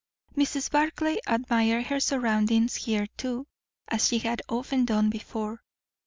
Mrs. Barclay admired her surroundings here too, as she had often done before.